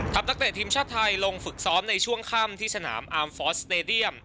นักเตะทีมชาติไทยลงฝึกซ้อมในช่วงค่ำที่สนามอาร์มฟอสสเตดียม